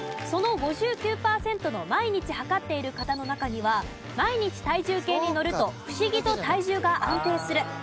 その５９パーセントの毎日量っている方の中には毎日体重計に乗ると不思議と体重が安定する。